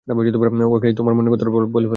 ওকে তোমার মনের কথাটা বলে ফেলো।